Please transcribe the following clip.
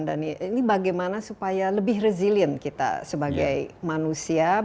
dan ini bagaimana supaya lebih resilient kita sebagai manusia